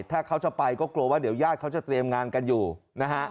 ถ้าเขาจะไปก็กลัวว่าเดี๋ยวญาติเขาจะเตรียมงานกันอยู่นะฮะ